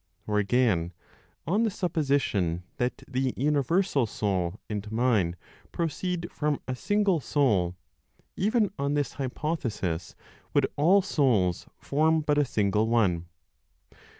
Or again, on the supposition that the universal (Soul) and mine proceed from a single soul, even on this hypothesis would all souls form but a single one.